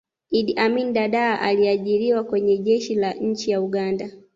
iddi amin dadaa aliajiriwa Kwenye jeshi la nchi ya uganda